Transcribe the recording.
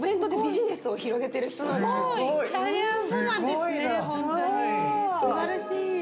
すばらしい。